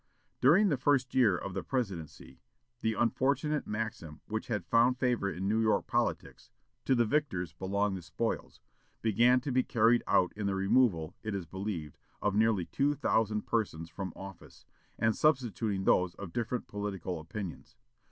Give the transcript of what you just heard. During the first year of the Presidency, the unfortunate maxim which had found favor in New York politics, "To the victors belong the spoils," began to be carried out in the removal, it is believed, of nearly two thousand persons from office, and substituting those of different political opinions.